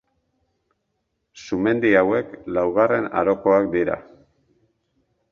Sumendi hauek, laugarren arokoak dira.